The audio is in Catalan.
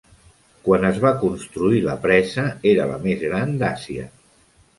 Quan es va construir la presa, era la més gran d'Àsia.